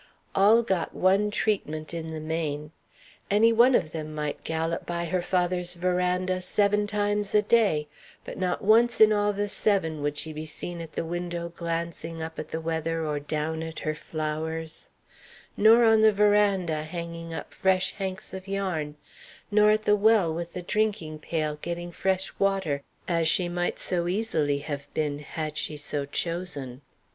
All got one treatment in the main. Any one of them might gallop by her father's veranda seven times a day, but not once in all the seven would she be seen at the window glancing up at the weather or down at her flowers; nor on the veranda hanging up fresh hanks of yarn; nor at the well with the drinking pail, getting fresh water, as she might so easily have been, had she so chosen.